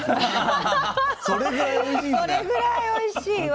それぐらいおいしいんだ。